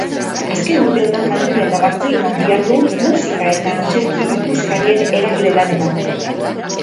Azken urteotan Madrilen eta Bartzelonan dihardu musika- eta antzerki-ikuskarien eragile-lanetan.